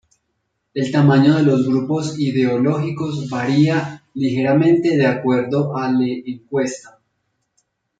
El tamaño de los grupos ideológicos varía ligeramente de acuerdo a le encuesta.